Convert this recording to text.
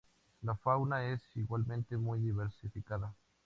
La fauna es igualmente muy diversificada.